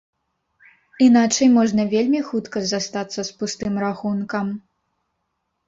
Іначай можна вельмі хутка застацца з пустым рахункам.